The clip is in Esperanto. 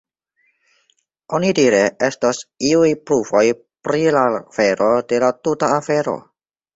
Onidire estos iuj pruvoj pri la vero de la tuta afero.